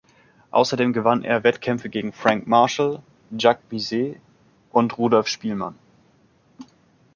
Außerdem gewann er Wettkämpfe gegen Frank Marshall, Jacques Mieses und Rudolf Spielmann.